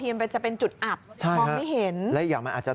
เวลาจะจอดติดไฟแดงข้างหรือว่าข้างหน้า